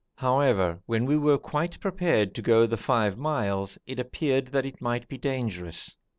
However, when we were quite prepared to go the five miles, it appeared that it might be dangerous.